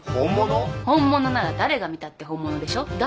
本物なら誰が見たって本物でしょ？